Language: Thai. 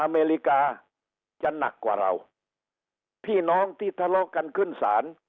อเมริกาจะหนักกว่าเราพี่น้องที่ทะเลาะกันขึ้นศาล